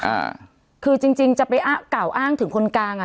อ่าคือจริงจริงจะไปอ้างกล่าวอ้างถึงคนกลางอ่ะ